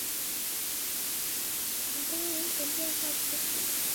乌当人口变化图示弗里德兰